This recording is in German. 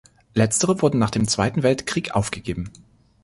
Letztere wurde nach dem Zweiten Weltkrieg aufgegeben.